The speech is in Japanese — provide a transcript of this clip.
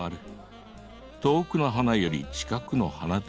遠くの花より近くの花だ。